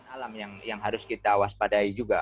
alam yang harus kita waspadai juga